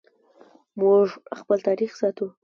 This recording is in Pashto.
موږ خپل تاریخ ساتو